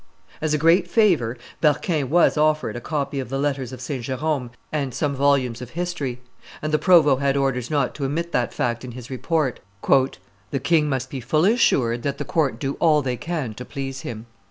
As a great favor, Berquin was offered a copy of the Letters of St. Jerome and some volumes of history; and the provost had orders not to omit that fact in his report: "The king must be fully assured that the court do all they can to please him."